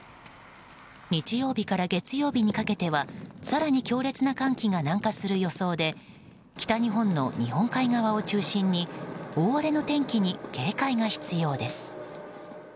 日曜日から月曜日にかけては更に強烈な寒気が南下する予想で北日本の日本海側を中心に大荒れの天気に警戒が必要です。